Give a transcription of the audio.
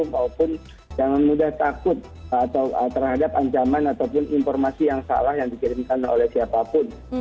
maupun jangan mudah takut terhadap ancaman ataupun informasi yang salah yang dikirimkan oleh siapapun